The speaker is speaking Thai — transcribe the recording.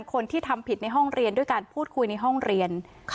คนที่ทำผิดในห้องเรียนด้วยการพูดคุยในห้องเรียน